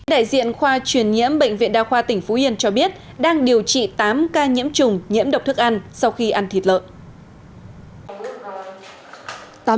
đại diện khoa truyền nhiễm bệnh viện đa khoa tỉnh phú yên cho biết đang điều trị tám ca nhiễm trùng nhiễm độc thức ăn sau khi ăn thịt lợn